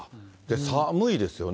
寒いですよね、